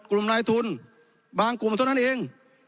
กลุ่มนายทุนบางกลุ่มเท่านั้นเอง